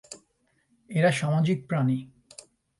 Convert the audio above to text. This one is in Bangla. এরা সামাজিক প্রাণী।